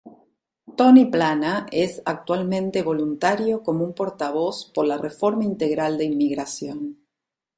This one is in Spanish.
Tony Plana es actualmente voluntario como un portavoz por la Reforma Integral de Inmigración.